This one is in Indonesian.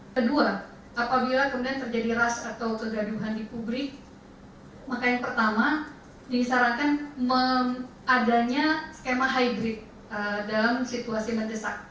kedua apabila kemudian terjadi rush atau kegaduhan di publik maka yang pertama disarankan adanya skema hybrid dalam situasi mendesak